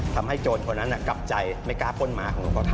ทำให้โจรคนนั้นกลับใจไม่กล้าป้นม้าของหลวงพ่อเต๋